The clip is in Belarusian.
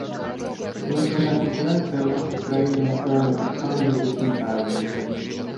Унутраная канкурэнцыя ў нас у краіне, напэўна, таксама не зусім правільная.